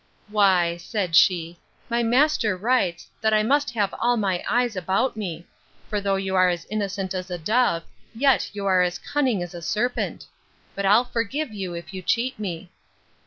—Why, said she, my master writes, that I must have all my eyes about me; for though you are as innocent as a dove, yet you are as cunning as a serpent. But I'll forgive you, if you cheat me.